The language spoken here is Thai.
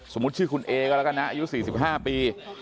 ชื่อคุณเอก็แล้วกันนะอายุ๔๕ปี